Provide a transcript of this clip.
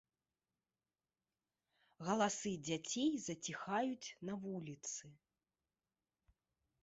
Галасы дзяцей заціхаюць на вуліцы.